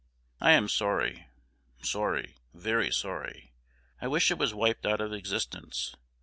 I am sorry, sorry, very sorry: I wish it was wiped out of existence.